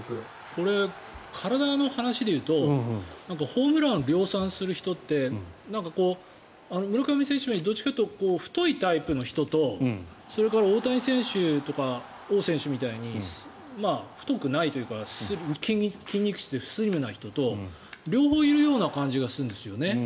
これ、体の話でいうとホームランを量産する人って村上選手みたいにどちらかというと太いタイプの人とそれから大谷選手とか王選手みたいに太くないというか筋肉質でスリムな人と両方いるような感じがするんですよね。